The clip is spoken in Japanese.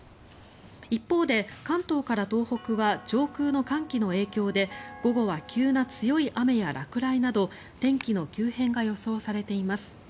一方で、関東から東北は上空の寒気の影響で午後は急な強い雨や落雷など天気の急変が予想されています。